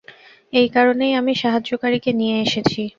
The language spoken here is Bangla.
এই কারণেই আমি সাহায্যকারীকে নিয়ে এসেছি।